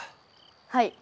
はい。